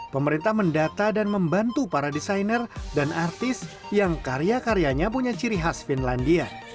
pemerintah mendata dan membantu para desainer dan artis yang karya karyanya punya ciri khas finlandia